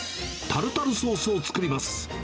タルタルソースを作ります。